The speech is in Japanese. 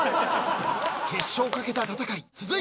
［決勝を懸けた戦い。